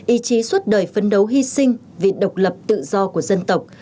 ý chí suốt đời phấn đấu hy sinh vì độc lập tự do của dân tộc